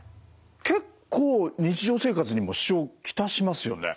結構日常生活にも支障を来しますよね。